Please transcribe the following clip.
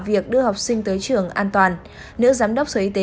việc đưa học sinh tới trường an toàn nữ giám đốc sở y tế